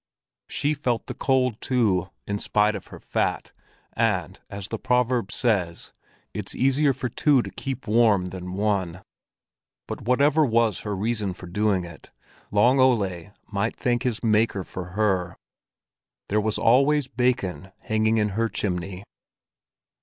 She felt the cold, too, in spite of her fat, and as the proverb says: It's easier for two to keep warm than one; but whatever was her reason for doing it, Long Ole might thank his Maker for her. There was always bacon hanging in her chimney.